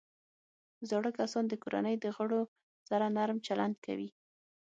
زاړه کسان د کورنۍ د غړو سره نرم چلند کوي